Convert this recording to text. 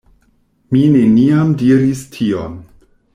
Mi neniam diris tion.